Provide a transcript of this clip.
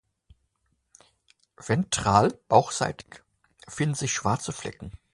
Ventral (bauchseitig) finden sich schwarze Flecken.